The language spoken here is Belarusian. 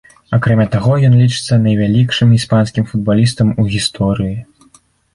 Акрамя таго, ён лічыцца найвялікшым іспанскім футбалістам у гісторыі.